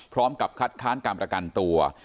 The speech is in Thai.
พร้อมกับคัดค้านการประกันตัว